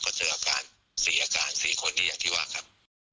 ก็เจออาการ๔อาการ๔คนนี้อย่างที่ว่าครับ